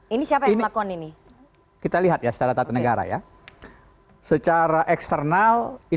ini siapa yang melakon ini